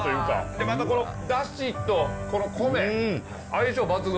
でまたこのダシとこの米相性抜群。